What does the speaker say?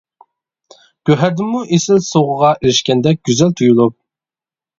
گۆھەردىنمۇ ئېسىل سوغىغا ئېرىشكەندەك گۈزەل تۇيۇلۇپ.